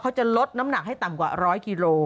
เขาจะลดน้ำหนักให้ต่ำกว่า๑๐๐กิโล